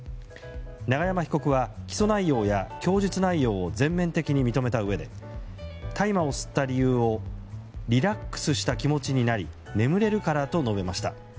永山被告は起訴内容や供述内容を全面的に認めたうえで大麻を吸った理由をリラックスした気持ちになり眠れるからと述べました。